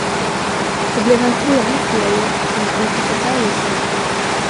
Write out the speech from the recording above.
Det blev en trevlig serie, som skulle passa bra just nu.